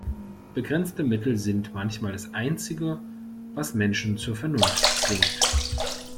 Begrenzte Mittel sind manchmal das Einzige, was Menschen zur Vernunft zwingt.